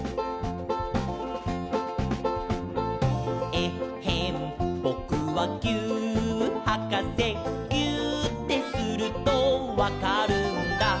「えっへんぼくはぎゅーっはかせ」「ぎゅーってするとわかるんだ」